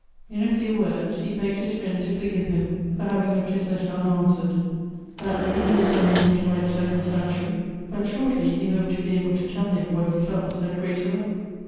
In a few words, he begged his friend to forgive him for having left his letter unanswered; that day he was unable to write circumstantially ; but shortly, he hoped to be able to tell him what he felt at greater length.